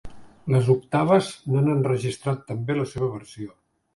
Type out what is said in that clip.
Les Octaves n'han enregistrat també la seva versió.